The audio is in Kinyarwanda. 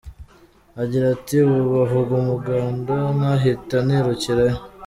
Agira ati “Ubu bavuga umuganda nkahita nirukirayo.